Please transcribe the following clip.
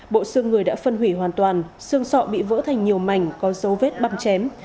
bộ xương người đã phân hủy hoàn toàn xương sọ bị vỡ thành nhiều mảnh có dấu vết băm chém